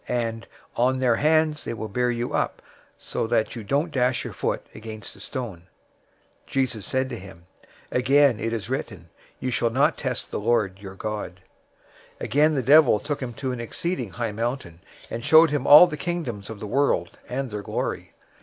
and, 'On their hands they will bear you up, so that you don't dash your foot against a stone.'"{Psalm 91:11 12} 004:007 Jesus said to him, "Again, it is written, 'You shall not test the Lord, your God.'"{Deuteronomy 6:16} 004:008 Again, the devil took him to an exceedingly high mountain, and showed him all the kingdoms of the world, and their glory.